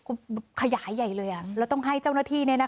กลับด้านหลังหลักหลักหลักหลักหลักหลัก